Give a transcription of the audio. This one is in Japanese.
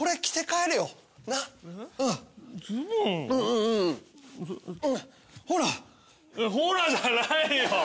いやほらじゃないよ。